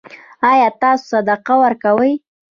ایا تاسو صدقه ورکوئ؟